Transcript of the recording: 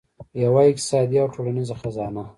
یوه اقتصادي او ټولنیزه خزانه.